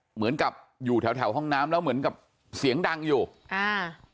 เหมือนกับอยู่แถวแถวห้องน้ำแล้วเหมือนกับเสียงดังอยู่อ่า